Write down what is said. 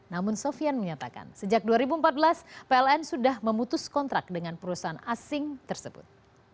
namun sofian menyatakan sejak dua ribu empat belas pln sudah memutus kontrak dengan perusahaan asing tersebut